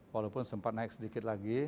walaupun sempat naik sedikit lagi